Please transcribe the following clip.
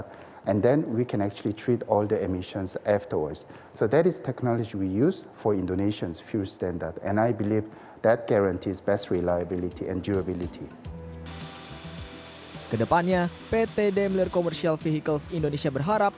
pemerintah dan pemerintah indonesia akan mencari penerapan emisi di indonesia